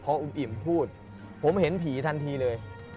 พออุ่มอิ่มพูดผมเห็นผีทันทีเลย